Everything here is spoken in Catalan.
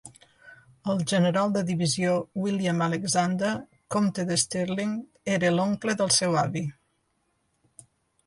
El general de divisió William Alexander, comte de Stirling, era l'oncle del seu avi.